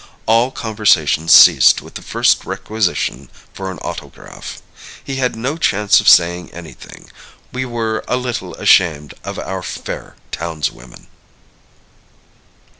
All conversation ceased with the first requisition for an autograph. He had no chance of saying anything. We were a little ashamed of our fair townswomen.